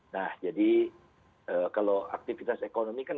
nah jadi kalau aktivitas ekonomi kan